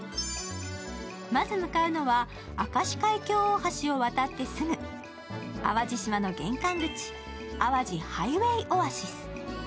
まず向かうのは、明石海峡大橋を渡ってすぐ淡路島の玄関口、淡路ハイウェイオアシス。